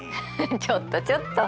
ちょっとちょっと。